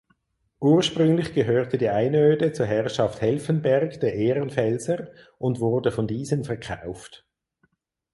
Ursprünglich gehörte die Einöde zur Herrschaft Helfenberg der Ehrenfelser und wurde von diesen verkauft.